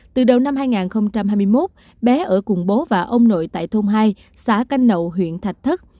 từ đầu năm hai nghìn hai mươi một bé ở cùng bố và ông nội tại thôn hai xã canh nậu huyện thạch thất